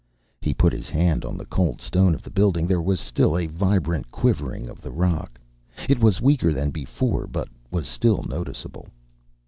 He put his hand on the cold stone of the building. There was still a vibrant quivering of the rock. It was weaker than before, but was still noticeable.